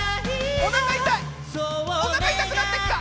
おなか痛くなってきた。